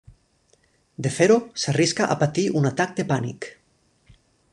De fer-ho, s'arrisca a patir un atac de pànic.